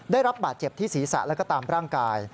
ได้รับบาดเจ็บที่ศีรษะแล้วก็ตามร่างกาย